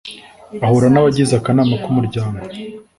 ahura n'abagize akanama k'umuryango